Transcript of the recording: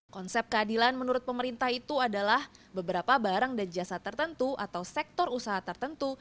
konsep keadilan menurut pemerintah itu adalah beberapa barang dan jasa tertentu atau sektor usaha tertentu